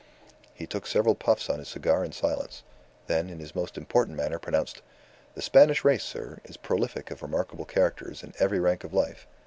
He took several puffs at his cigar in silence; then, in his most important manner, pronounced: "The Spanish race, sir, is prolific of remarkable characters in every rank of life.